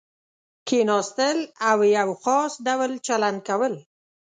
کېناستل او یو خاص ډول چلند کول.